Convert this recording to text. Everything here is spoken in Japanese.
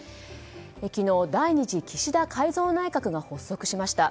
昨日、第２次岸田改造内閣が発足しました。